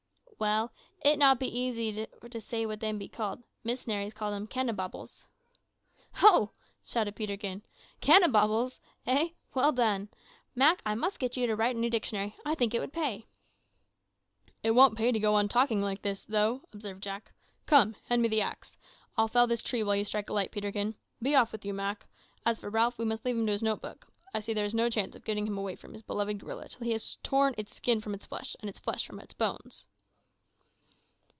"Well, it not be easy for say what dem be called. Miss'naries calls dem canibobbles." "Ho!" shouted Peterkin, "canibobbles? eh! well done. Mak, I must get you to write a new dictionary; I think it would pay!" "It won't pay to go on talking like this, though," observed Jack. "Come, hand me the axe. I'll fell this tree while you strike a light, Peterkin. Be off with you, Mak. As for Ralph, we must leave him to his note book; I see there is no chance of getting him away from his beloved gorilla till he has torn its skin from its flesh, and its flesh from its bones."